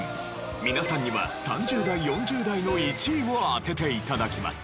皆さんには３０代４０代の１位を当てて頂きます。